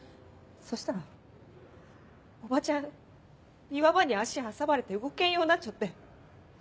そしたらおばちゃん岩場に足挟まれて動けんようなっちょって。